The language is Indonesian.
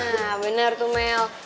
nah bener tuh mel